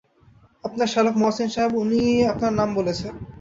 আপনার শ্যালক মহসিন সাহেব, উনিই আপনার নাম বলেছেন।